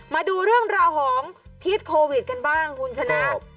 มาดูเรื่องราวของพิษโควิดกันบ้างคุณชนะ